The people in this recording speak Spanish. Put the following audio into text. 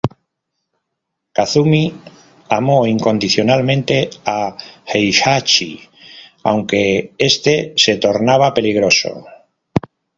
Kazumi amó incondicionalmente a Heihachi, aunque este se tornaba peligroso.